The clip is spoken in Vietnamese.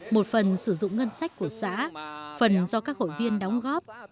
một phần sử dụng ngân sách của xã phần do các hội viên đóng góp